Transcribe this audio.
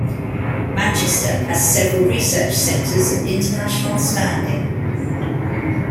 Manchester has several research centres of international standing.